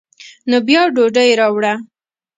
نو بیا ډوډۍ راوړه.